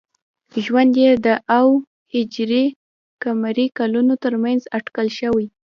ژوند یې د او ه ق کلونو تر منځ اټکل شوی.